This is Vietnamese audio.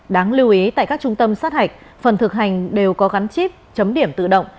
đáng lưu ý tại các trung tâm sát hạch phần thực hành đều có gắn chip chấm điểm tự động